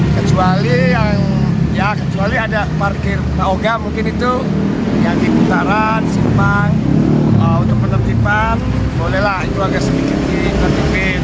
kecuali yang ya kecuali ada parkir enggak mungkin itu yang diputaran simpang untuk penutup jipan bolehlah itu agak sedikit sih